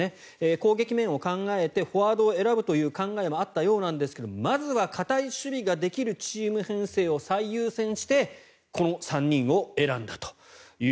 攻撃面を考えてフォワードを選ぶという考えもあったようなんですが、まずは堅い守備ができるチーム編成を最優先してこの３人を選んだと。